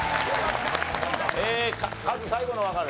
カズ最後のわかる？